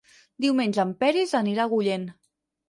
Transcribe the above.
Diumenge en Peris anirà a Agullent.